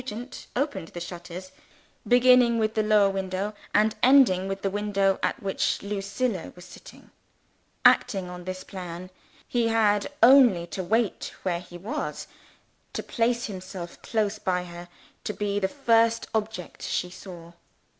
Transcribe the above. Nugent opened the shutters, beginning with the lower window, and ending with the window at which Lucilla was sitting. Acting on this plan, he had only to wait where he was, to place himself close by her to be the first object she saw.